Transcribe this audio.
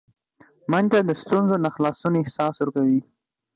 منډه د ستونزو نه خلاصون احساس ورکوي